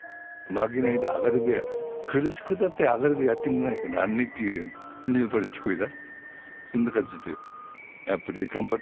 負けないで明るく苦しくたって明るくやっていかきゃなんねえっていうふうに聞こえた。